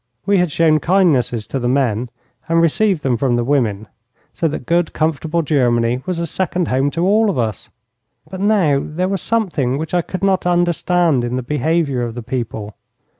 We had shown kindnesses to the men and received them from the women, so that good, comfortable Germany was a second home to all of us. But now there was something which I could not understand in the behaviour of the people.